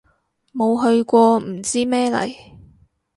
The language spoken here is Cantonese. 冇去過唔知咩嚟